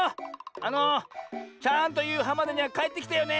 あのちゃんとゆうはんまでにはかえってきてよね。